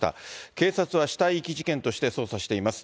警察は死体遺棄事件として捜査しています。